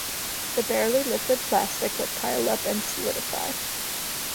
The barely liquid plastic would pile up and solidify.